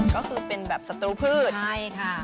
ก็คือเป็นแบบศัตรูพืชใช่ค่ะ